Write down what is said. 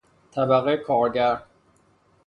طبقه کارگر